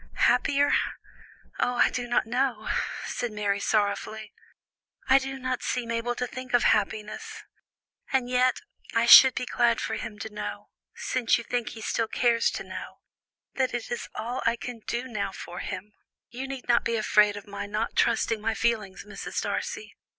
"Happier? Ah, I do not know," said Mary sorrowfully. "I do not seem able to think of happiness. And yet, I should be glad for him to know, since you think he still cares to know, and it is all I can now do for him. You need not be afraid of my not trusting my feelings, Mrs. Darcy.